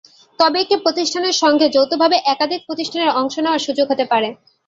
তবে একটি প্রতিষ্ঠানের সঙ্গে যৌথভাবে একাধিক প্রতিষ্ঠানের অংশ নেওয়ার সুযোগ হতে পারে।